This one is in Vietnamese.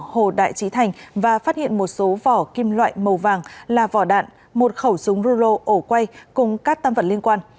hồ đại trí thành và phát hiện một số vỏ kim loại màu vàng là vỏ đạn một khẩu súng rulo ổ quay cùng các tâm vật liên quan